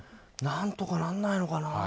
何とかならないのかな。